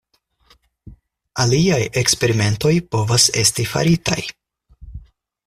Aliaj eksperimentoj povas esti faritaj.